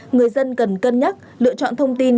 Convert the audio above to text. người dân cần cân nhắc lựa chọn thông tin